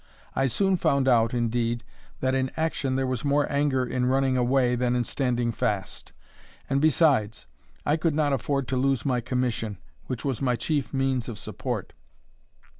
I soon found out, indeed, that in action there was more anger in running away than in standing fast; and besides, I could not afford to lose my commission, which was my chief means of support.